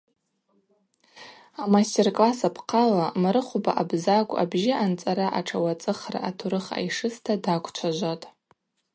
Амастер-класс апхъала Марыхвба Абзагв абжьы анцӏара атшауацӏыхра атурых айшыста даквчважватӏ.